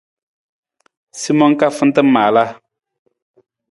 Simang ka fanta maalaa.